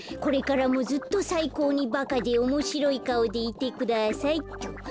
これからもずっとさいこうにバカでおもしろいかおでいてください」っと。